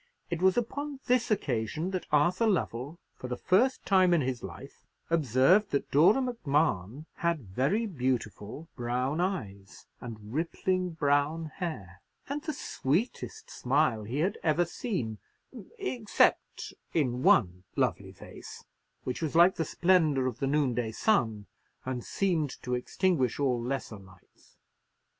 It was upon this occasion that Arthur Lovell, for the first time in his life, observed that Dora Macmahon had very beautiful brown eyes, and rippling brown hair, and the sweetest smile he had ever seen—except in one lovely face, which was like the splendour of the noonday sun, and seemed to extinguish all lesser lights.